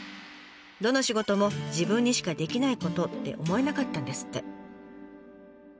どの仕事も自分にしかできないことって思えなかったんですって。